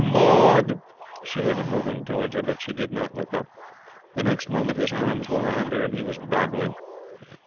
'Maud!' She heard him moving towards her, but she did not look up. The next moment his arms were round her, and he was babbling.